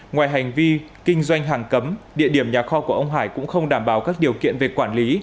ngoài hành vi kinh doanh hàng cấm địa điểm nhà kho của ông hải cũng không đảm bảo các điều kiện về quản lý